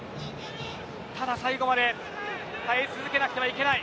ただ最後まで耐え続けなくてはいけない。